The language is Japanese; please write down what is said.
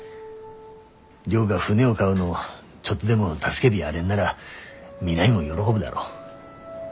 亮が船を買うのちょっとでも助けでやれんなら美波も喜ぶだろ。